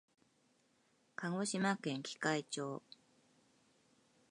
鹿児島県喜界町